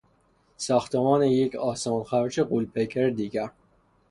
ساختمان یک آسمانخراش غولپیکر دیگر